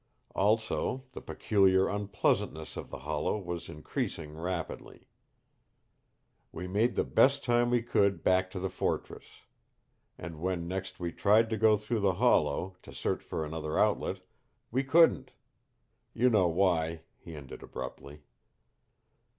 Also the peculiar unpleasantness of the hollow was increasing rapidly. "We made the best time we could back to the fortress. And when next we tried to go through the hollow, to search for another outlet we couldn't. You know why," he ended abruptly.